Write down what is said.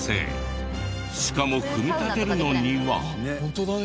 しかも組み立てるのには。